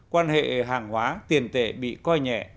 quan hệ hàng hóa tiền tệ bị coi nhẹ